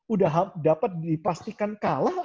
udah dapat dipastikan kalah